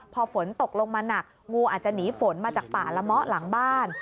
พอฝนตกลงมาหนักงูอาจจะหนีฝนมาจากป่าละเมาะหลังบ้าน